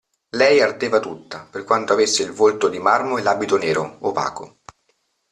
Lei ardeva tutta, per quanto avesse il volto di marmo e l'abito nero, opaco.